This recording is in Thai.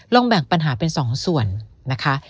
ลองแบ่งปัญหาเป็นสองส่วนนะคะ